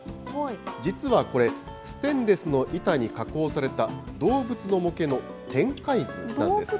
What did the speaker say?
実はこれ、ステンレスの板に加工された動物の模型の展開図なんですね。